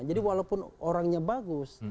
jadi walaupun orangnya bagus